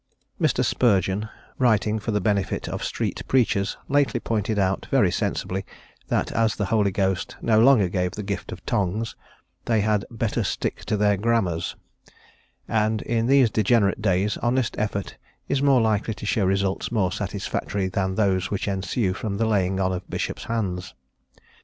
Mr. Spurgeon, writing for the benefit of street preachers, lately pointed out very sensibly that as the Holy Ghost no longer gave the gift of tongues, they had "better stick to their grammars," and in these degenerate days honest effort is more likely to show results more satisfactory than those which ensue from the laying on of Bishops' hands.